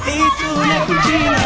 itu lah yang kujina